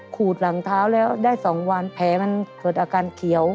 ขูดหลังเท้าแล้วได้๒วันแผลมันเกิดอาการเขียว